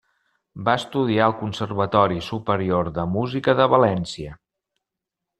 Va estudiar al Conservatori Superior de Música de València.